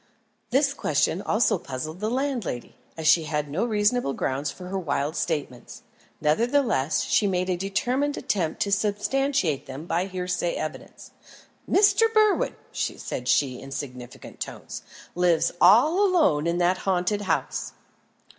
This question also puzzled the landlady, as she had no reasonable grounds for her wild statements. Nevertheless, she made a determined attempt to substantiate them by hearsay evidence. "Mr. Berwin," said she in significant tones, "lives all alone in that haunted house."